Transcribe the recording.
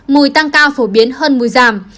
mùi tăng cao phổ biến hơn mùi giảm